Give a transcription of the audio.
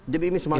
jadi ini semakin